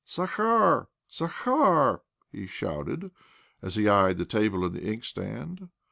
" Zakhar ! Zakhar I " he shouted as he eyed the table and the inkstand.